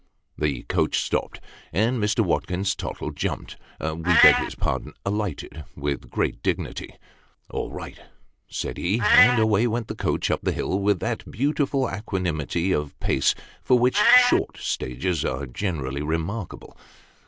The coach stopped, and Mr. Watkins Tottle jumped we beg his pardon alighted, with great dignity. " All right !" said he, and away went the coach up the hill with that beautiful equanimity of pace for which " short " stages are generally remarkable.